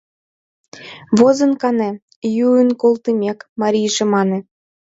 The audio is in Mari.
— Возын кане, — йӱын колтымек, марийже мане.